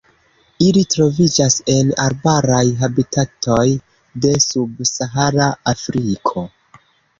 Ili troviĝas en arbaraj habitatoj de subsahara Afriko.